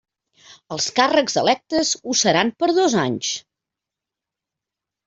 Els càrrecs electes ho seran per dos anys.